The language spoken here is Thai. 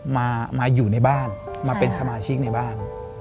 มาอยู่ในบ้านมาเป็นสมาชิกในบ้าน